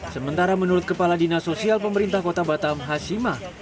sementara menurut kepala dinas sosial pemerintah kota batam hasimah